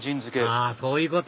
あそういうこと！